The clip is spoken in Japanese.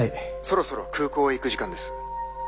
そろそろ空港へ行く時間です。